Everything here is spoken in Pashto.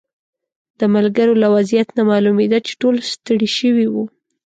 د ملګرو له وضعیت نه معلومېده چې ټول ستړي شوي وو.